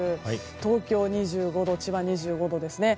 東京、２５度千葉、２５度ですね。